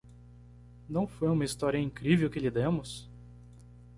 Não foi uma história incrível que lhe demos?